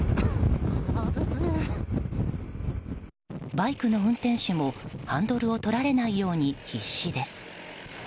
バイクの運転手もハンドルを取られないように必死です。